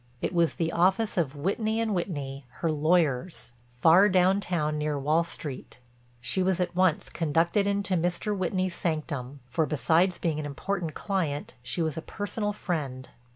It was the office of Whitney & Whitney, her lawyers, far downtown near Wall Street. She was at once conducted into Mr. Whitney's sanctum, for besides being an important client she was a personal friend.